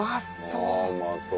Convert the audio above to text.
うまそう！